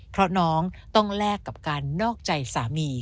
เพราะน้องต้องแลกกับการนอกใจสามี